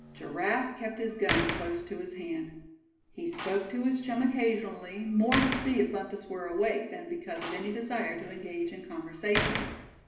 Giraffe kept his gun close to his hand. He spoke to his chum occasionally, more to see if Bumpus were awake, than because of any desire to engage in conversation.